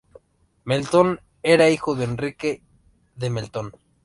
Melton era hijo de Enrique de Melton.